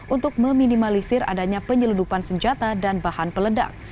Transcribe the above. untuk meminimalisir adanya penyelundupan senjata dan bahan peledak